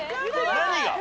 何が？